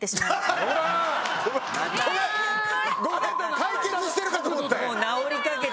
解決してるかと思って。